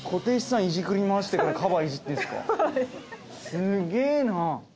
すげえな。